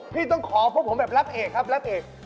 พี่ต้องขอพวกผมแบบลับเอกครับ